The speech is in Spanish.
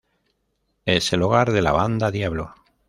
Es el hogar de la banda Diablo.